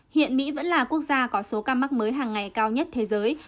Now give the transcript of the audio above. hiện mỹ vẫn là quốc gia có số ca mắc mới hàng ngày cao nhất thế giới